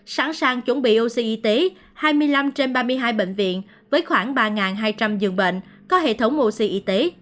sẵn sàng chuẩn bị oxy y tế hai mươi năm trên ba mươi hai bệnh viện với khoảng ba hai trăm linh giường bệnh có hệ thống oxy y tế